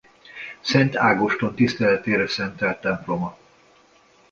Szent Ágoston tiszteletére szentelt temploma.